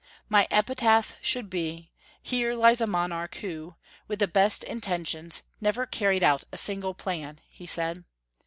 " My epitaph should be — 'Here lies a monarch who, with the best in tentions, never carried out a single plan,' " he said.